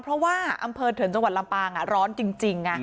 เพราะว่าอำเภอเถินจังหวัดลำปางร้อนจริง